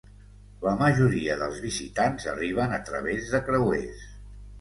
La majoria dels visitants arriben a través de creuers.